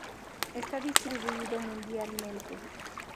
Está distribuido mundialmente.